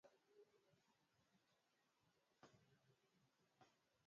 mapishi ya matembeleni weka limao kusaidia ufyonzaji wa madini ya chuma